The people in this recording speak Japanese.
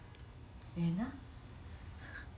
ええな？